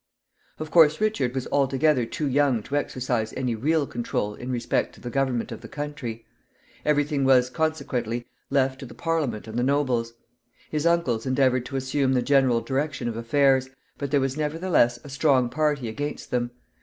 Of course, Richard was altogether too young to exercise any real control in respect to the government of the country. Every thing was, consequently, left to the Parliament and the nobles. His uncles endeavored to assume the general direction of affairs, but there was nevertheless a strong party against them.